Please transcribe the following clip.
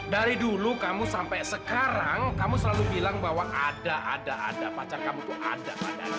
dari dulu kamu sampai sekarang kamu selalu bilang bahwa ada ada pacar kamu itu ada